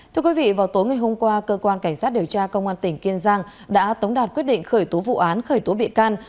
thưa quý vị vào tối ngày hôm qua cơ quan cảnh sát điều tra công an tỉnh kiên giang đã tống đạt quyết định khởi tố vụ án khởi tố bị can